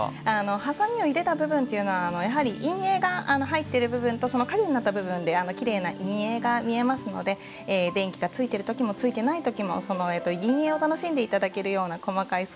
ハサミを入れた部分っていうのはやはり陰影が入ってる部分とその陰になった部分できれいな陰影が見えますので電気がついてる時もついてない時も陰影を楽しんで頂けるような細かい装飾を施しております。